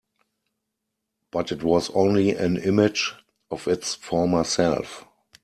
But it was only an image of its former self.